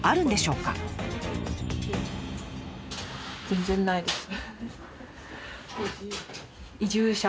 全然ないです。